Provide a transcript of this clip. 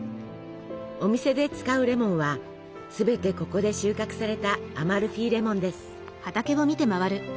お店で使うレモンは全てここで収穫されたアマルフィレモンです。